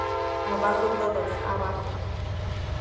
¡ abajo todos! ¡ abajo!